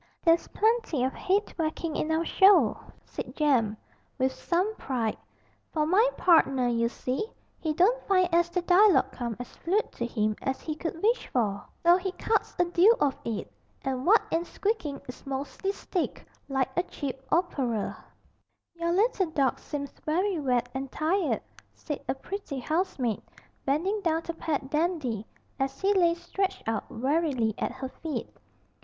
'There's plenty of 'ead whackin' in our show,' said Jem, with some pride, 'for my partner, you see, he don't find as the dialogue come as fluid to him as he could wish for, so he cuts a deal of it, and what ain't squeakin' is mostly stick like a cheap operer.' 'Your little dog seems very wet and tired,' said a pretty housemaid, bending down to pat Dandy, as he lay stretched out wearily at her feet.